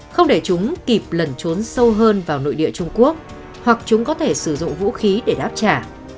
không để chúng kịp lẩn trốn sâu hơn vào nội địa trung quốc hoặc chúng có thể sử dụng vũ khí để đáp trả